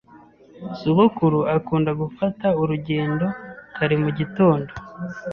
Sogokuru akunda gufata urugendo kare mu gitondo.